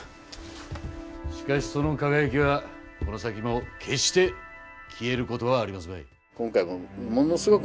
しかし、その輝きはこの先も決して消えることはありますまい。